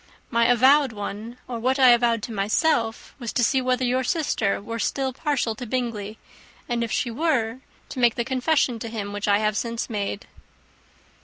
My avowed one, or what I avowed to myself, was to see whether your sister was still partial to Bingley, and if she were, to make the confession to him which I have since made."